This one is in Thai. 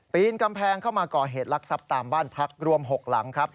นกำแพงเข้ามาก่อเหตุลักษัพตามบ้านพักรวม๖หลังครับ